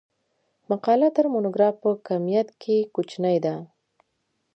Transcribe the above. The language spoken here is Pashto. مقاله تر مونوګراف په کمیت کښي کوچنۍ ده.